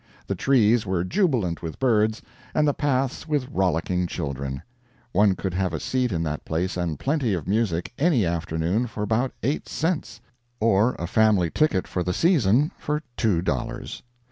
The trees were jubilant with birds, and the paths with rollicking children. One could have a seat in that place and plenty of music, any afternoon, for about eight cents, or a family ticket for the season for two dollars.